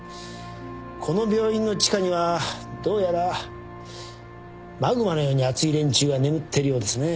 この病院の地下にはどうやらマグマのように熱い連中が眠っているようですね。